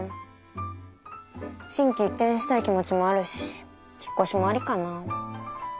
心機一転したい気持ちもあるし引っ越しもありかなあ。